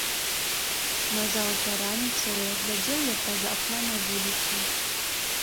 Назаўтра раніцаю глядзеў я праз акно на вуліцу.